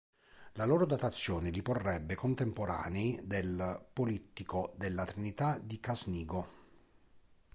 La loro datazione li porrebbe contemporanei del Polittico della Trinità di Casnigo.